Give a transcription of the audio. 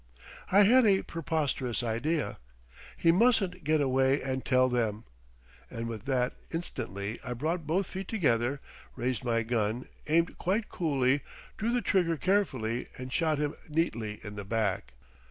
I had a preposterous idea. "He mustn't get away and tell them!" And with that instantly I brought both feet together, raised my gun, aimed quite coolly, drew the trigger carefully and shot him neatly in the back.